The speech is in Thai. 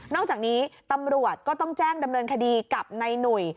จากนี้ตำรวจก็ต้องแจ้งดำเนินคดีกับนายหนุ่ย